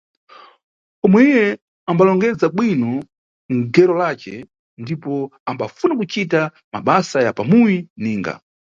Pomwe iye ambalongedza bwino nʼgero lace ndipo ambafuna kucita mabasa ya pamuyi ninga.